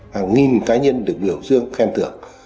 hàng nghìn cá nhân được biểu dương khen tưởng